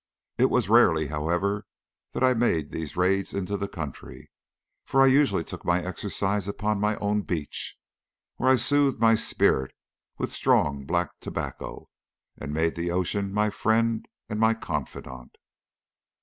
It was rarely, however, that I made these raids into the country, for I usually took my exercise upon my own beach, where I soothed my spirit with strong black tobacco, and made the ocean my friend and my confidant.